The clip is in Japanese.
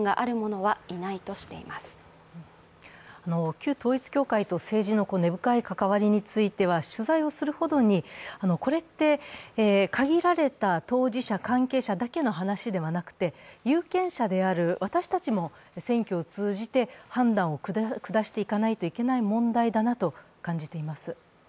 旧統一教会と政治との根深い関わりについては、取材をするほどに、これって限られた当事者、関係者の話ではなくて、有権者である私たちも選挙を通じて判断を下していかないといけない問題だなと感じています。